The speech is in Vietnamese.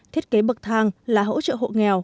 thiết kế bậc tháng là hỗ trợ hộ nghèo